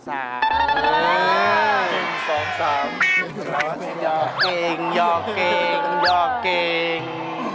รอเจนยอดเก่งยอดเก่งยอดเก่ง